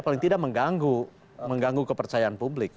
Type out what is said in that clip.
paling tidak mengganggu kepercayaan publik